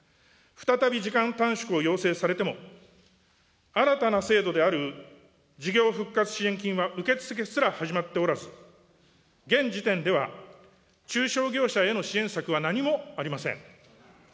再び時間短縮を要請されても、新たな制度である事業復活支援金は受け付けすら始まっておらず、現時点では中小業者への支援策は何もありません。